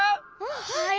はい？